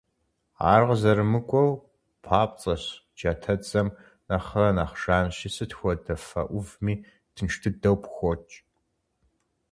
Ар къызэрымыкӀуэу папцӀэщ, джатэдзэм нэхърэ нэхъ жанщи, сыт хуэдэ фэ Ӏувми тынш дыдэу пхокӀ.